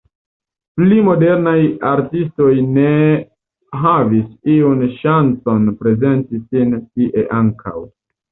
Pli modernaj artistoj ne havis iun ŝancon prezenti sin tie ankaŭ.